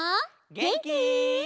げんき？